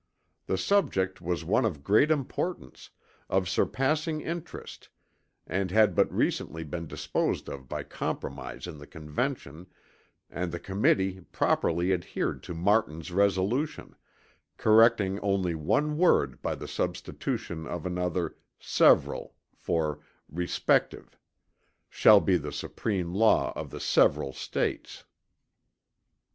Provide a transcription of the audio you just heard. The subject was one of great importance, of surpassing interest and had but recently been disposed of by compromise in the Convention, and the Committee properly adhered to Martin's resolution, correcting only one word by the substitution of another, "several" for "respective," "shall be the supreme law of the several States."